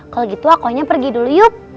kalo gitu akonya pergi dulu yuk